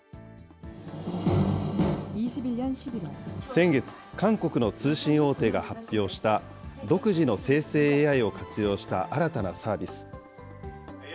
先月、韓国の通信大手が発表した、独自の生成ＡＩを活用した新たなサービス。